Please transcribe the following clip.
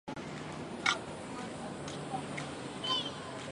港内线渡轮航线是指行走维多利亚港以内地点的专营持牌渡轮服务。